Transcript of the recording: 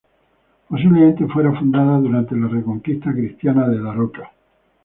Posiblemente fuera fundada durante la reconquista cristiana de Daroca.